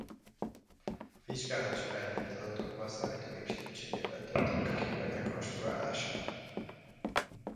A vizsgálat során nyert adatokból számítógép segítségével történik a képek rekonstruálása.